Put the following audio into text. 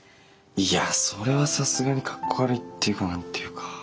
いやそれはさすがにカッコ悪いっていうか何ていうか。